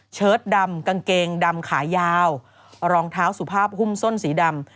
เชิดดำกางเกงดำขายาวรองเท้าสุภาพหุ้มส้นสีดำ